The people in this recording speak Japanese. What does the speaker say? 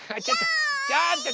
ちょっと！